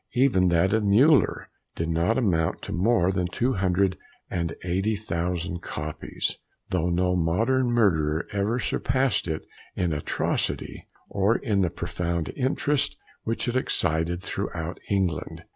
Even that of Müller did not amount to more than two hundred and eighty thousand copies though no modern murder ever surpassed it in atrocity, or in the profound interest which it excited throughout England.